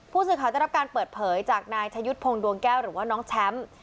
ผู้สื่อข่าวได้รับการเปิดเผยจากนายชะยุทธ์พงศ์ดวงแก้วหรือว่าน้องแชมป์